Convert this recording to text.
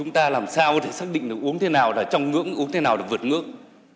ta làm sao để xác định uống thế nào là trong ngưỡng uống thế nào là vượt ngưỡng